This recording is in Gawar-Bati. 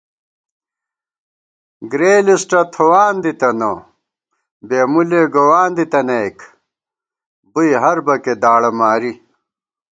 گۡرےلِسٹہ تھوان دِتَنہ بےمُلے گووان دِتَنَئیک، بُوئی ہر بَکےداڑہ ماری